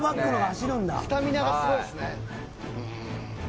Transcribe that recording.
スタミナがすごいですね。